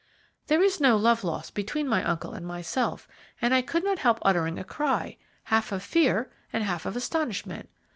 There is no love lost between my uncle and myself, and I could not help uttering a cry, half of fear and half of astonishment.